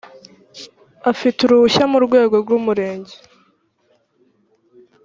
afite uruhushya mu rwego rw’ umurenge.